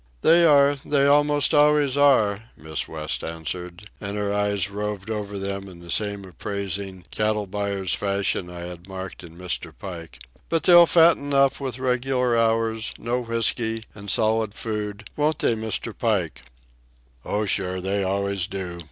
"They are, they almost always are," Miss West answered, and her eyes roved over them in the same appraising, cattle buyer's fashion I had marked in Mr. Pike. "But they'll fatten up with regular hours, no whiskey, and solid food—won't they, Mr. Pike?" "Oh, sure. They always do.